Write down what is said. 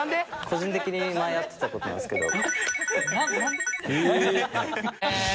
個人的に前やってたことなんですけど。